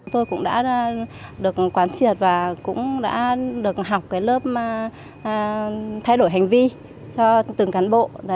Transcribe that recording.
tôi cũng đã được quán triệt và cũng đã được học lớp thay đổi hành vi cho từng cán bộ